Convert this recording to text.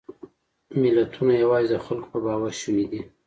ملتونه یواځې د خلکو په باور شوني دي.